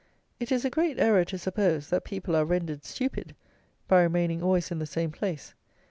It is a great error to suppose, that people are rendered stupid by remaining always in the same place.